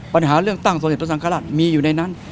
ปัญหาเรื่องตั้งสมเด็จพระสังฆราชมีอยู่ในนั้น